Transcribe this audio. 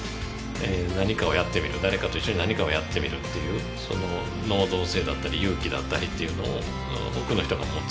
何かをやってみる誰かと一緒に何かをやってみるっていうその能動性だったり勇気だったりっていうのを多くの人が持つ。